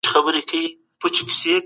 دوی په مینه کار پیلوي.